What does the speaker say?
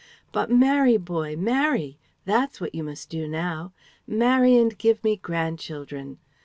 But marry, boy, marry. That's what you must do now. Marry and give me grandchildren."